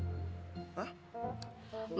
maksud gue lu bantuin cari akal dong